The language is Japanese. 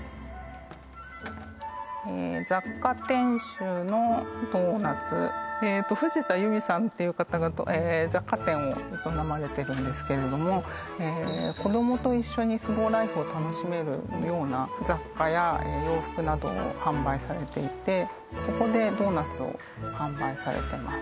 雑貨店主のドーナツ藤田ゆみさんっていう方が雑貨店を営まれてるんですけれども子どもと一緒にスローライフを楽しめるような雑貨や洋服などを販売されていてそこでドーナツを販売されてます